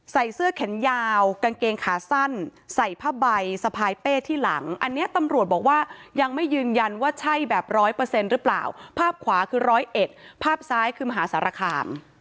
ใส่เสื้อแขนยาวกางเกงขาสั้นใส่ผ้าใบสะพายเป้ที่หลังอันนี้ตำรวจบอกว่ายังไม่ยืนยันว่าใช่แบบร้อยเปอร์เซ็นต์หรือเปล่าภาพขวาคือร้อยเอ็ดภาพซ้ายคือมหาสารคาม